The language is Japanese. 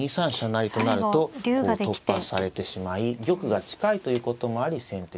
成となるとこう突破されてしまい玉が近いということもあり先手